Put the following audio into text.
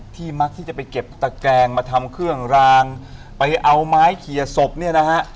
มักที่จะไปเก็บตะแกงมาทำเครื่องรางไปเอาไม้เคลียร์ศพเนี่ยนะฮะ